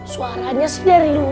suaranya sih dari luar